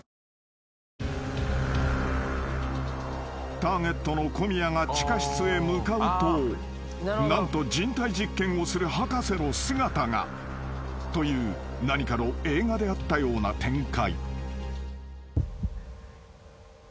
［ターゲットの小宮が地下室へ向かうと何と人体実験をする博士の姿がという何かの映画であったような展開］